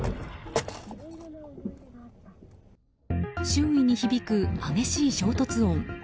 周囲に響く激しい衝突音。